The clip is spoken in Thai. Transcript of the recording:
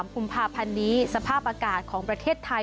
กุมภาพันธ์นี้สภาพอากาศของประเทศไทย